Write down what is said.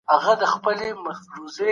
تر سلو زيات پوليس په دې عملياتو کې ښکېل وو.